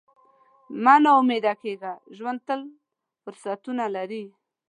مه نا امیده کېږه، ژوند تل فرصتونه لري.